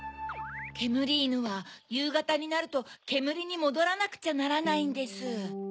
けむりいぬはゆうがたになるとけむりにもどらなくちゃならないんです。